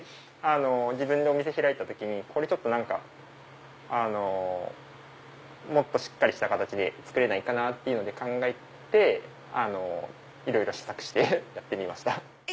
自分でお店開いた時にもっとしっかりした形で作れないかなぁって考えていろいろ試作してやってみました。